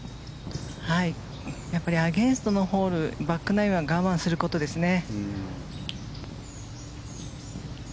アゲンストのホールバックナインは我慢することですね。